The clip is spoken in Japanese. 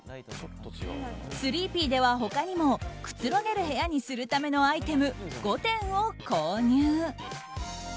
ＴＨＲＥＥＰＰＹでは他にもくつろげる部屋にするためのアイテム５点を購入。